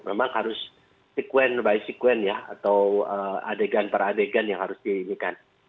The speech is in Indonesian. memang harus sekuen by sekuen ya atau adegan per adegan yang harus diimikan